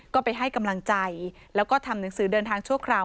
ก็ไปให้กำลังใจแล้วก็ทำหนังสือเดินทางชั่วคราว